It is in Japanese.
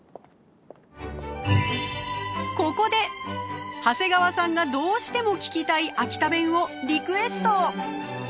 ここで長谷川さんがどうしても聞きたい秋田弁をリクエスト。